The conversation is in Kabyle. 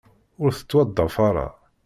Ur tettwaḍḍaf ara.